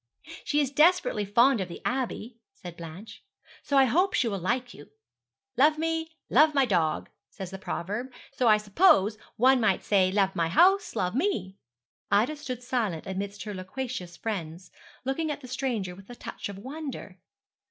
'She is desperately fond of the Abbey,' said Blanche; 'so I hope she will like you. "Love me, love my dog," says the proverb, so I suppose one might say, "Love my house, love me."' Ida stood silent amidst her loquacious friends, looking at the stranger with a touch of wonder.